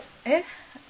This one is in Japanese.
えっ。